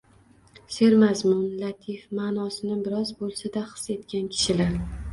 sermazmun, latif ma’nosini biroz bo‘lsada his etgan kishilar